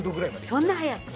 そんな早く？